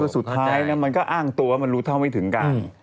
สุดท้ายมันก็อ้างตัวว่ามันรู้เท่าไม่ถึงการ